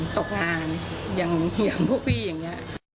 ตกงานอย่างพวกพี่อย่างนี้